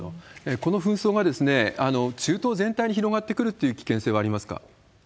この紛争が中東全体に広がってくるという危険性はありますか？